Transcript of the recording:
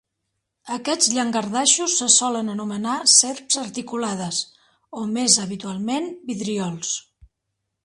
Aquests llangardaixos se solen anomenar serps articulades o, més habitualment, vidriols.